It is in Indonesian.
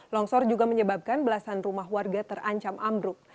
longsor juga menyebabkan belasan rumah warga terancam ambruk